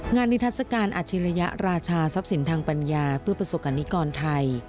นิทัศกาลอาชิริยราชาทรัพย์สินทางปัญญาเพื่อประสบกรณิกรไทย